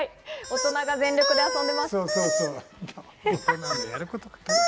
大人が全力で遊んでます。